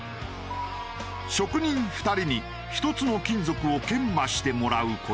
職人２人に１つの金属を研磨してもらう事に。